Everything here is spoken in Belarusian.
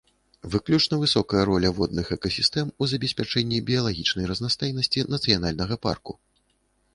Выключна высокая роля водных экасістэм у забеспячэнні біялагічнай разнастайнасці нацыянальнага парку.